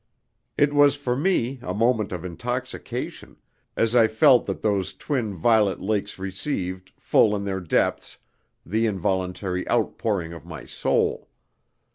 It was for me a moment of intoxication, as I felt that those twin violet lakes received, full in their depths, the involuntary outpouring of my soul.